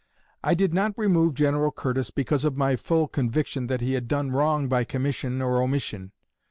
I did not remove General Curtis because of my full conviction that he had done wrong by commission or omission.